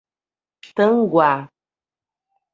Tanguá